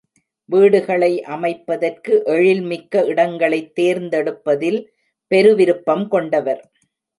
வீடுகளை அமைப்பதற்கு எழில் மிக்க இடங்களைத் தேர்ந்தெடுப்பதில் பெருவிருப்பம் கொண்டவர்.